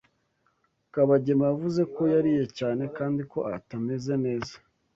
Kabagema yavuze ko yariye cyane kandi ko atameze neza.